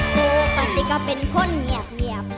กูก่อนที่ก็เป็นคนเหนียบ